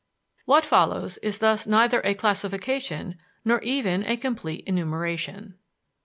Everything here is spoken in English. What follows is thus neither a classification nor even a complete enumeration.